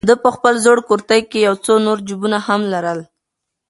ده په خپل زوړ کورتۍ کې یو څو نور جېبونه هم لرل.